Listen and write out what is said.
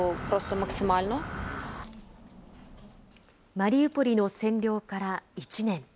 マリウポリの占領から１年。